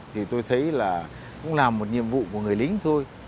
thì tôi thấy là cũng làm một nhiệm vụ của người lính thôi